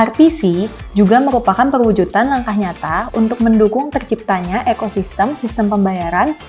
rtc juga merupakan perwujudan langkah nyata untuk mendukung terciptanya ekosistem sistem pembayaran